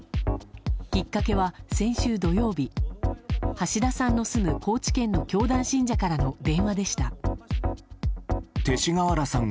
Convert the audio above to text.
きっかけは先週土曜日橋田さんの住む高知県の教団信者からの電話でした。